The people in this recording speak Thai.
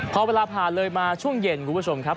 พอเวลาผ่านเลยมาช่วงเย็นคุณผู้ชมครับ